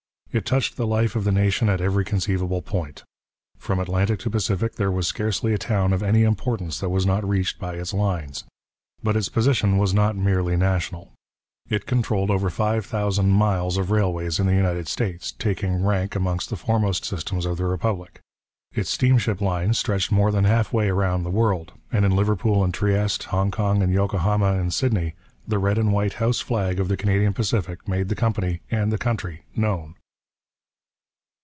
It touched the life of the nation at every conceivable point. From Atlantic to Pacific there was scarcely a town of any importance that was not reached by its lines. But its position was not merely national. It controlled over five thousand miles of railways in the United States, taking rank amongst the foremost systems of the Republic. Its steamship lines stretched more than half way round the world, and in Liverpool and Trieste, Hong Kong and Yokohama and Sydney, the red and white house flag of the Canadian Pacific made the company and the country known.